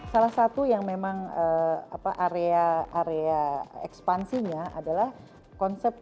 salah satu yang memang area ekspansinya adalah konsep